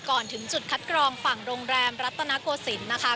ก่อนถึงจุดคัดกรองฝั่งโรงแรมรัตนโกศิลป์นะคะ